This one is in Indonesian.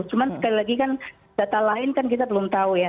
cuma sekali lagi kan data lain kan kita belum tahu ya